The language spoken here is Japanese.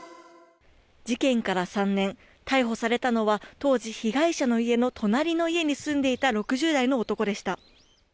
事件から３年、逮捕されたのは、当時、被害者の家の隣の家に住んでいた６０代の男でした。